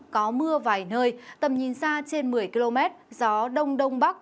có mưa vài nơi tầm nhìn xa trên một mươi km gió đông đông bắc